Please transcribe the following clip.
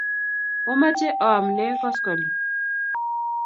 Omache oam nee koskoling'?